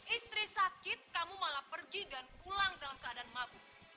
istri sakit kamu malah pergi dan pulang dalam keadaan mabuk